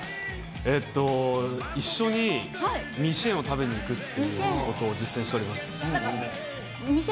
えっと、一緒にミーシェンをを食べに行くということを実践しております。